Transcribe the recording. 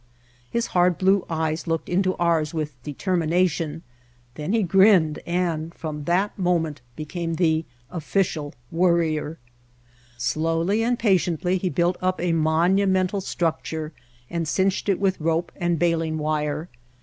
His hard blue eyes looked into ours with determination, then he grinned and from that moment became the Official Worrier. Slowly and patiently he built up a monu mental structure and cinched it with rope and baling wire.